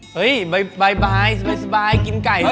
เฮ้ยบ๊ายบายสบายกินไก่๓๐ชิ้น